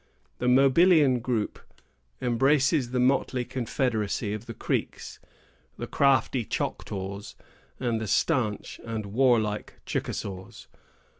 The Mobilian group embraces the motley confederacy of the Creeks, the crafty Choctaws, and the stanch and warlike Chickasaws.